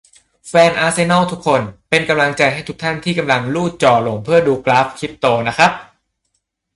แฟนอาร์เซนอล ทุกคน เป็นกำลังใจให้ทุกท่านที่กำลังรูดจอลงเพื่อดูกราฟคริปโตนะครับ